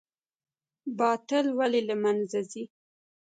باطل ولې له منځه ځي؟